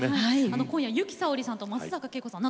あの今夜由紀さおりさんと松坂慶子さん